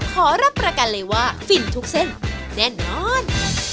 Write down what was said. ขอรับประกันเลยว่าฟินทุกเส้นแน่นอน